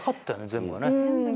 全部がね。